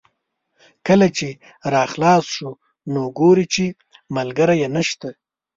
کله چې را خلاص شو نو ګوري چې ملګری یې نشته.